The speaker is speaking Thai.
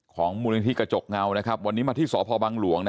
ของมุลธิกระจกเงานะครับ